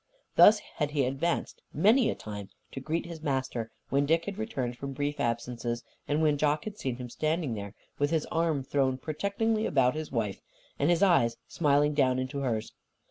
Thus had he advanced, many a time, to greet his master, when Dick had returned from brief absences and when Jock had seen him standing there with his arm thrown protectingly about his wife and his eyes smiling down into hers.